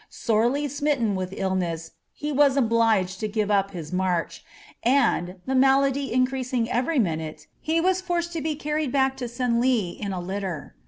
Sorely smitten with illness, he wa» obliged to give up his march ; and, the malady increasing every minute, he was forced to be carried hack to Senlis in a litter.